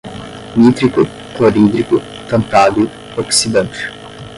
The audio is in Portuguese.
nítrico, clorídrico, tantálio, oxidante